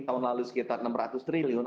tahun lalu sekitar enam ratus triliun